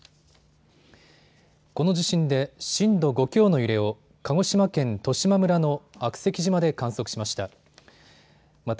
この地震で震度５強の揺れを鹿児島県十島村の悪石島で観測しました。